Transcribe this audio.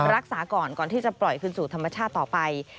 รักษาก่อนก่อนที่จะปล่อยคืนสู่ธรรมชาติต่อไป